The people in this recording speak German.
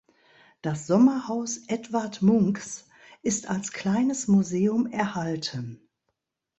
Das Sommerhaus Edvard Munchs ist als kleines Museum erhalten.